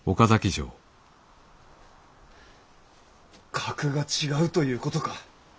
格が違うということか！